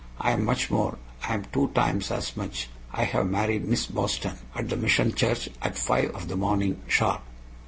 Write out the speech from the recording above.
I am much more I am two times as much, for I have marry Miss Boston. At the Mission Church, at five of the morning, sharp!